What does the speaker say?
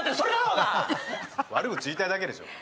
悪口言いたいだけでしょう。